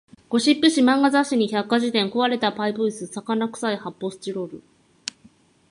ゴシップ誌、漫画雑誌に百科事典、壊れたパイプ椅子、魚臭い発砲スチロール